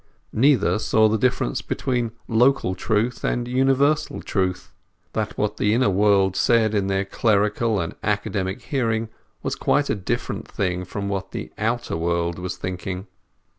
Neither saw the difference between local truth and universal truth; that what the inner world said in their clerical and academic hearing was quite a different thing from what the outer world was thinking.